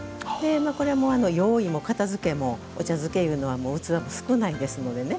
これも用意も片付けもお茶漬けいうのは器が少ないですのでね。